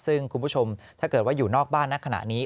ซึ่งคุณผู้ชมถ้าเกิดว่าอยู่นอกบ้านนักขณะนี้